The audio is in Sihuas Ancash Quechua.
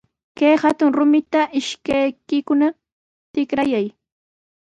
Kay hatun rumita ishkaykikuna tikrayay.